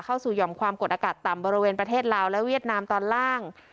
หย่อมความกดอากาศต่ำบริเวณประเทศลาวและเวียดนามตอนล่าง